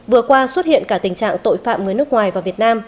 vừa qua xuất hiện cả tình trạng tội phạm người nước ngoài và việt nam